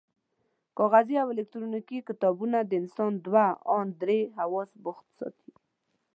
کاغذي او الکترونیکي کتابونه د انسان دوه او ان درې حواس بوخت ساتي.